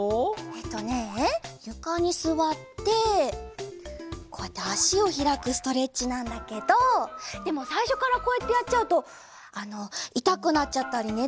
えっとねゆかにすわってこうやってあしをひらくストレッチなんだけどでもさいしょからこうやってやっちゃうといたくなっちゃったりね